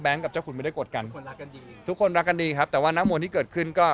กับเจ้าคุณไม่ได้กดกันคนรักกันดีทุกคนรักกันดีครับแต่ว่านักมวยที่เกิดขึ้นก็